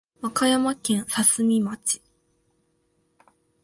和歌山県すさみ町